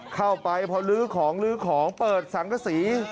เข้าไปพอลื้อของเปิดสังฆษี